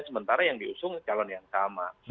sementara yang diusung calon yang sama